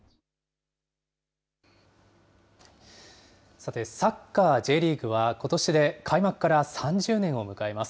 さて、サッカーＪリーグは、ことしで開幕から３０年を迎えます。